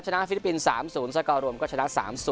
๒๐๑๔ชนะฟิลิปปินส์๓๐สกรวมชนะ๓๐